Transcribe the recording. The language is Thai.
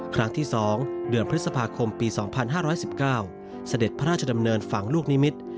ครั้งที่๒เดือนพฤษภาคมปี๒๕๑๙เสด็จพระราชดำเนินฝังลูกนิมิตร